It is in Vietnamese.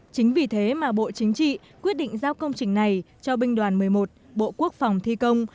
chính vì thế mà bộ chính trị quyết định giao công trình này cho binh đoàn một mươi một bộ quốc phòng thi công